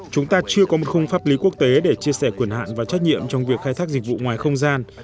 chúng ta chưa có một khung pháp lý quốc tế để chia sẻ quyền hạn và trách nhiệm trong việc khai thác dịch vụ ngoài không gian